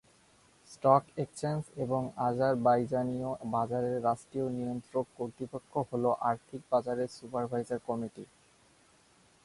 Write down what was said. Stock exchange এবং আজারবাইজানীয় বাজারের জন্য রাষ্ট্র নিয়ন্ত্রক কর্তৃপক্ষ হল আর্থিক বাজার সুপারভাইজার কমিটি।